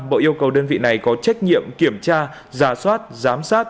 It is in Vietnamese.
bộ yêu cầu đơn vị này có trách nhiệm kiểm tra giả soát giám sát